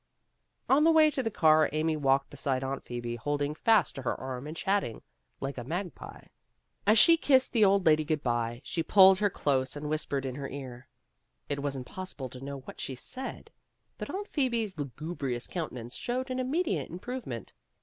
On the way to the car Amy walked beside Aunt Phoebe, holding fast to her arm and chat tering like a magpie. And as she kissed the old lady good by, she pulled her close and whis pered in her ear. It was impossible to know what she said, but Aunt Phoebe's lugubrious countenance showed an immediate improve ment.